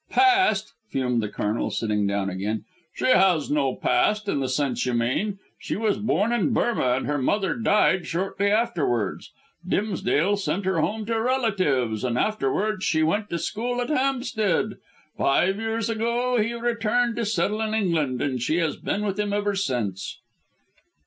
Past!" fumed the Colonel, sitting down again. "She has no past in the sense you mean. She was born in Burmah, and her mother died shortly afterwards. Dimsdale sent her home to relatives, and afterwards she went to school at Hampstead. Five years ago he returned to settle in England and she has been with him ever since."